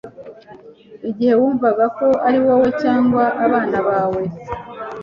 igihe wumva ko ari wowe, cyangwa abana bawe